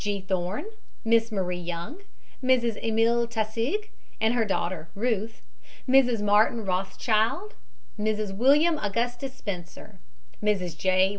G. Thorne, Miss Marie Young, Mrs Emil Taussig and her daughter, Ruth, Mrs. Martin Rothschild, Mrs. William Augustus Spencer, Mrs. J.